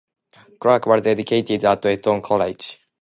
Clark was educated at Eton College.